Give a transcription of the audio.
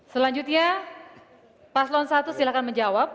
selanjutnya paslon satu silahkan menjawab